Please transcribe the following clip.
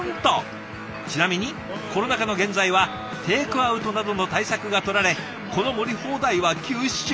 ちなみにコロナ禍の現在はテイクアウトなどの対策がとられこの盛り放題は休止中。